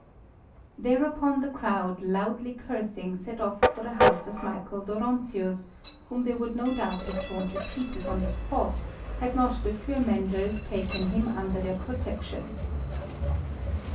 Thereupon the crowd, loudly cursing, set off for the house of Michael Dóronczius, whom they would no doubt have torn to pieces on the spot had not the Fürmenders taken him under their protection.